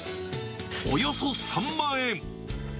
およそ３万円。